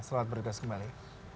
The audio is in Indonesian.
selamat berita semula